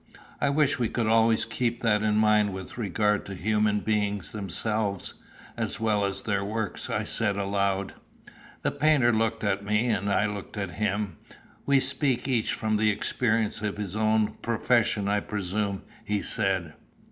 "I wish we could always keep that in mind with regard to human beings themselves, as well as their works," I said aloud. The painter looked at me, and I looked at him. "We speak each from the experience of his own profession, I presume," he said.